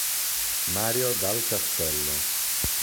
Mario Dal Castello